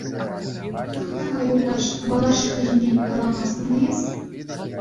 Тӑхта-ха, юлташ, Балашиха ҫинчен каламастӑн-и эс?